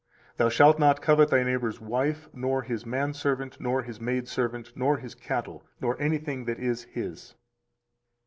Thou shalt not covet thy neighbor's wife, nor his man servant, nor his maid servant, nor his cattle, nor anything that is his.